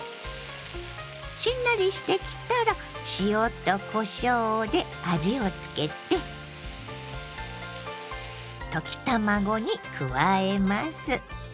しんなりしてきたら塩とこしょうで味をつけて溶き卵に加えます。